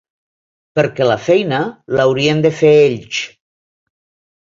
Perquè la feina, l’haurien de fer ells.